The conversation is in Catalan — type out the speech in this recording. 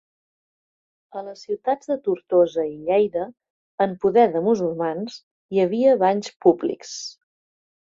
A les ciutats de Tortosa i Lleida, en poder de musulmans, hi havia banys públics.